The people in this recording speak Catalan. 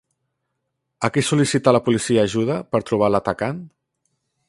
A qui sol·licita la policia ajuda per trobar l'atacant?